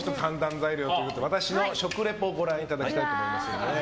材料ということで私の食リポをご覧いただきたいと思います。